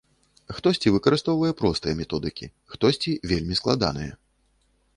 Хтосьці выкарыстоўвае простыя методыкі, хтосьці вельмі складаныя.